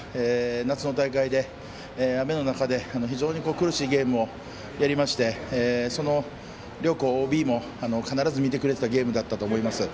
夏の大会で雨の中で非常に苦しいゲームをやりましてその両校ＯＢも必ず見てくれてたゲームだったと思います。